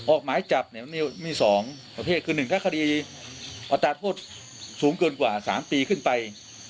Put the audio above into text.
ออกหมายจับมันมีสองประเภทคือหนึ่งก็คดีอตราโทษสูงเกินกว่าสามปีขึ้นไป